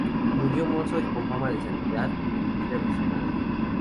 Murió mozo y con fama de santidad, en vida de su madre.